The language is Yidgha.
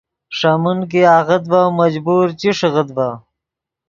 ݰے من کہ آغت ڤے مجبور چی ݰیغیت ڤے